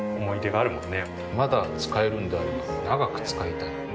まだ使えるんであれば長く使いたい。